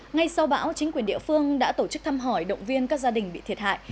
ngay sau bão chính quyền địa phương đã tổ chức thăm hỏi động viên các gia đình bị thiệt hại